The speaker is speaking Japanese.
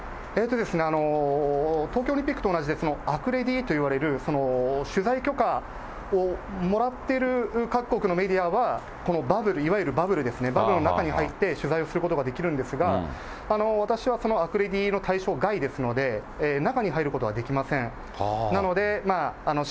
東京オリンピックと同じで、アクレディと言われる取材許可をもらってる各国のメディアは、このバブル、いわゆるバブルですね、バブルの中に入って取材することができるんですが、私はそのアクレディの対象外ですので、中に入ることはできません。